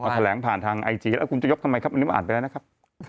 แถลงผ่านทางไอจีแล้วคุณจะยกทำไมครับอันนี้ผมอ่านไปแล้วนะครับ